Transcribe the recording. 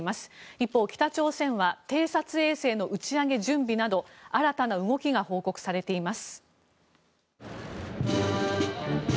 一方、北朝鮮は偵察衛星の打ち上げ準備など新たな動きが報告されています。